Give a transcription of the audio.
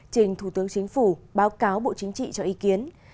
trình thủ tướng chính phủ báo cáo bộ chính trị cho ý kiến